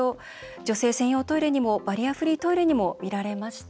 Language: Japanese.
女性専用トイレにもバリアフリートイレにもみられました。